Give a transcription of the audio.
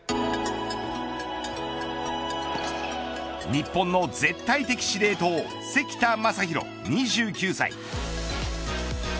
日本の絶対的司令塔、関田誠大２９歳。